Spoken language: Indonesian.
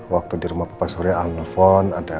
waktu di rumah papa surya al nelfon